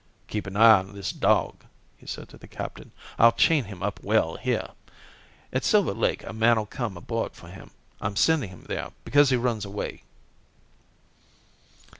"Keep an eye on this dog," he said to the captain; "I'll chain him up well here. At Silver Lake a man'll come aboard for him. I'm sending him there because he runs away."